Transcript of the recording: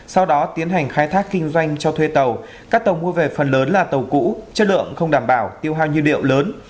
sau đó tiến hành khai thác kinh doanh cho thuê tàu các tàu mua về phần lớn là tàu cũ chất lượng không đảm bảo tiêu hao nhiên liệu lớn